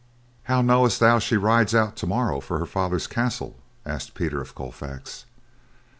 "How knowest thou she rides out tomorrow for her father's castle?" asked Peter of Colfax.